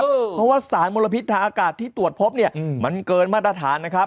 เพราะว่าสารมลพิษทางอากาศที่ตรวจพบเนี่ยมันเกินมาตรฐานนะครับ